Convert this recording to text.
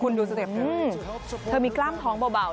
คุณดูสเต็ปเธอมีกล้ามท้องเบา